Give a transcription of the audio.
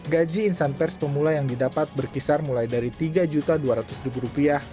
gaji insan pers pemula yang didapat berkisar mulai dari rp tiga dua ratus